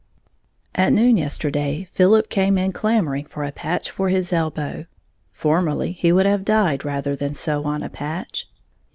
_ At noon yesterday Philip came in clamoring for a patch for his elbow, formerly he would have died rather than sew on a patch.